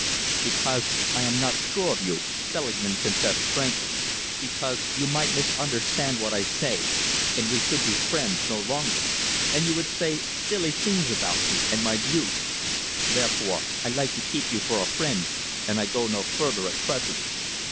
"Because I am not sure of you," Selingman confessed frankly. "Because you might misunderstand what I say, and we should be friends no longer, and you would say silly things about me and my views. Therefore, I like to keep you for a friend, and I go no further at present.